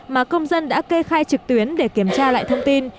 mà công dân đã kê khai trực tuyến để kiểm tra lại thông tin